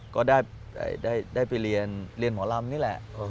ก็ได้ไปเรียนหมอลำนี่แหละ